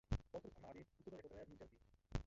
Po odchodu z armády působil jako trenér v New Jersey.